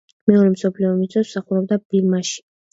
მეორე მსოფლიო ომის დროს მსახურობდა ბირმაში.